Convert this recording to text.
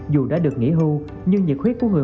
dù đã được nghỉ hưu nhưng nhiệt khuyết của người